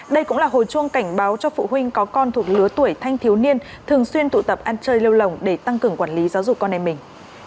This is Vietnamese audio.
đây cũng là hồi chuông cảnh báo cho phụ huynh có con thuộc lứa tuổi thanh thiếu niên thường xuyên tụ tập ăn chơi lêu lồng để tăng cường quản lý giáo dục con em mình